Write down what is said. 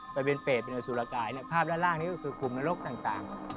แต่เป็นเปรตเป็นสุรกายภาพด้านล่างคือคุมนรกต่าง